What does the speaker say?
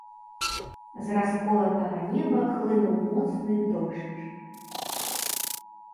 З расколатага неба хлынуў моцны дождж.